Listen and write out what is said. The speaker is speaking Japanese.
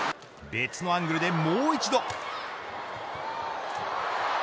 別のアングルでもう一度。